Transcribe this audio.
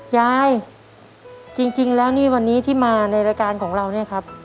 ยายจริงแล้วนี่วันนี้ที่มาในรายการของเราเนี่ยครับ